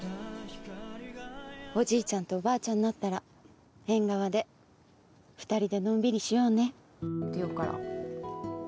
おじいちゃんとおばあちゃんになったら、縁側で２人でのんびりしようね。